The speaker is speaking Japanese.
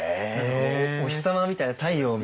お日様みたいな太陽みたいな。